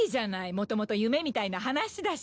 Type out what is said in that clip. もともと夢みたいな話だし。